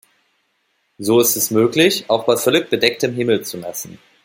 So ist es möglich, auch bei völlig bedecktem Himmel zu messen.